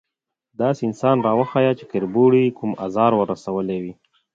_داسې انسان راوښيه چې کربوړي کوم ازار ور رسولی وي؟